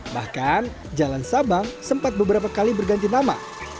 bahkan jalan sabang sempat beberapa kali berganti nama